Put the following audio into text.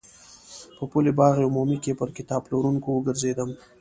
په پل باغ عمومي کې پر کتاب پلورونکو وګرځېدم.